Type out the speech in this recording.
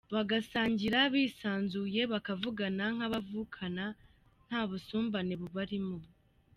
Bagasangira bisanzuye bakavugana nk’abavukana nta busumbane bubarimo.